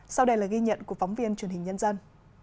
sau đây là ghi nhận của phóng viên truyền hình nhân dân